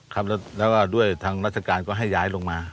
ครับแล้วก็ด้วยทางราชการก็ให้ย้ายลงมา